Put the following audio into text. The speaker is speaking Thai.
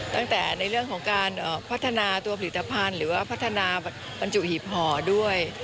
ตั้งแต่ในเรื่องของการพัฒนาตัวผลิตภัณฑ์หรือว่าพัฒนาบรรจุหีบห่อด้วย